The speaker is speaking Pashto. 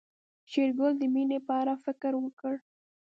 شېرګل د مينې په اړه فکر وکړ.